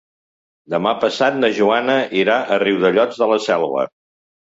Demà passat na Joana irà a Riudellots de la Selva.